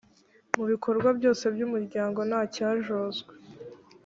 mu bikorwa byose by umuryango ntacyajozwe